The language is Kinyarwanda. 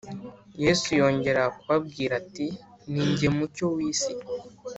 Yesu yongera kubabwira ati Ni jye mucyo w isi